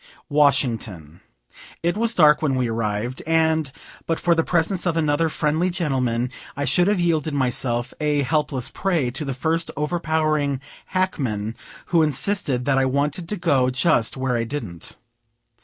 Washington. It was dark when we arrived; and, but for the presence of another friendly gentleman, I should have yielded myself a helpless prey to the first overpowering hackman, who insisted that I wanted to go just where I didn't.